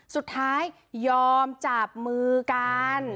สุดท้ายยอมจับมือกัน